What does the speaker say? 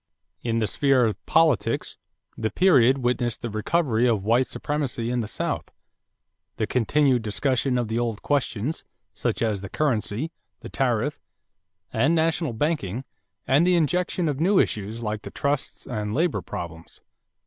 In the sphere of politics, the period witnessed the recovery of white supremacy in the South; the continued discussion of the old questions, such as the currency, the tariff, and national banking; and the injection of new issues like the trusts and labor problems.